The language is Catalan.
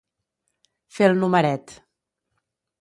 Fer el numeret.